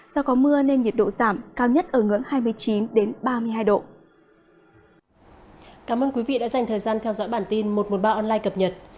do có mưa nên nhiệt độ giảm cao nhất ở ngưỡng hai mươi chín ba mươi hai độ